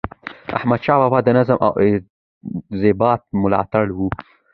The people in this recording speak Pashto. احمدشاه بابا د نظم او انضباط ملاتړی و.